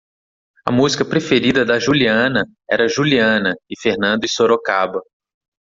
A música preferida da Juliana era Juliana e Fernando e Sorocaba.